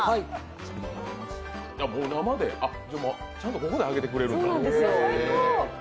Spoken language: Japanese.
ちゃんと、ここで揚げてくれるんだ。